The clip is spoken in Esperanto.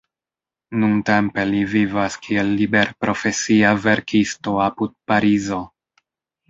Nuntempe li vivas kiel liberprofesia verkisto apud Parizo.